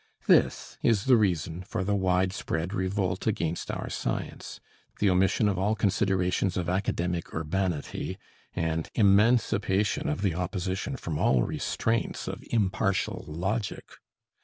This is the reason for the widespread revolt against our science, the omission of all considerations of academic urbanity, and emancipation of the opposition from all restraints of impartial logic.